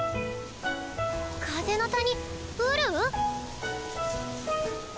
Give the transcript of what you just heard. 風の谷ウル？